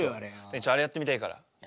ちょっとあれやってみたいから。